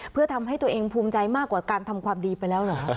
เพื่อทำให้ตัวเองภูมิใจมากกว่าการทำความดีไปแล้วเหรอ